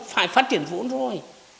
phải phát triển vốn rồi